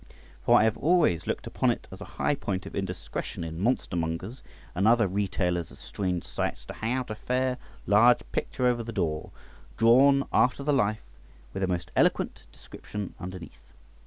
For I have always looked upon it as a high point of indiscretion in monstermongers and other retailers of strange sights to hang out a fair large picture over the door, drawn after the life, with a most eloquent description underneath.